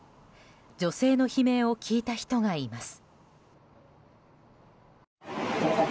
女性の悲鳴を聞いた人がいます。